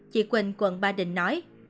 chị quỳnh quận ba đình nói